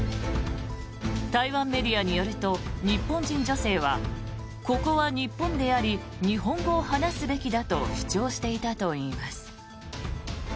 台湾メディアによると日本人女性はここは日本であり日本語を話すべきだと主張していたといいます。